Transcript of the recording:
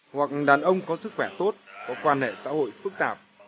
hoặc đàn ông có sức khỏe tốt có quan hệ xã hội phức tạp